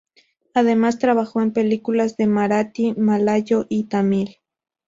Además trabajó en películas en marathi, malayo y tamil.